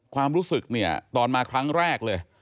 ความรู้สึกเนี่ยตอนมาครั้งแรกเลย